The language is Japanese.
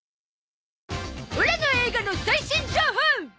オラの映画の最新情報！